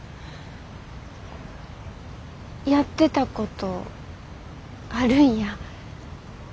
やってたことあるんや。